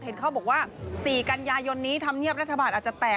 เห็นเขาบอกว่าสี่กัญญายนนี้ทำเงียบรัฐบาลอาจจะแตก